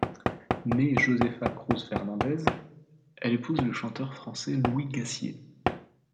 Née Josefa Cruz-Fernandez, elle épouse le chanteur français Louis Gassier.